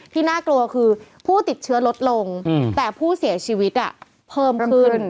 น่ากลัวคือผู้ติดเชื้อลดลงแต่ผู้เสียชีวิตเพิ่มขึ้น